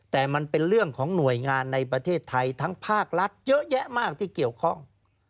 แต่มันเป็นเรื่องของหน่วยงานในประเทศไทยทั้งภาครัฐเยอะแยะมากที่เกี่ยวข้อง